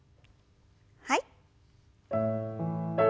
はい。